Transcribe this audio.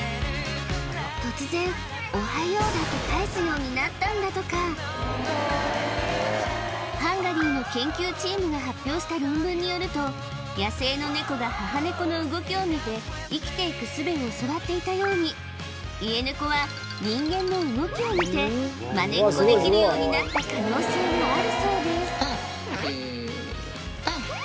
突然「おはよう」だけ返すようになったんだとかハンガリーの研究チームが発表した論文によると野生のネコが母ネコの動きを見て生きていくすべを教わっていたように家ネコは人間の動きを見てマネッコできるようになった可能性があるそうです・